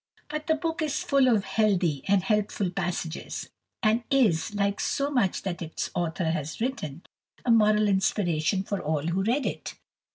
But the book is full of healthy and helpful passages, and is, like so much that its author has written, a moral inspiration for all who read it.